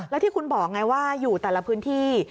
แล้วที่คุณบอกไงว่าอยู่แต่ละพื้นที่